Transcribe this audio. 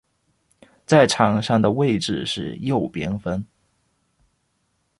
在场上的位置是右边锋。